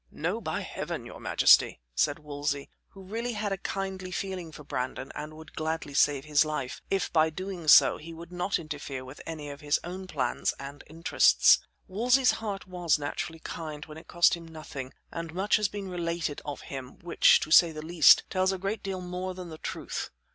"No! by heaven! your majesty," said Wolsey, who really had a kindly feeling for Brandon and would gladly save his life, if, by so doing, he would not interfere with any of his own plans and interests. Wolsey's heart was naturally kind when it cost him nothing, and much has been related of him, which, to say the least, tells a great deal more than the truth.